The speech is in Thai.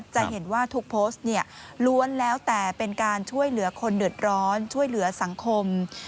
จะเห็นว่าทุกโพสต์เนี่ยล้วนแล้วแต่เป็นการช่วยเหลือคนเดือดร้อนช่วยเหลือสังคม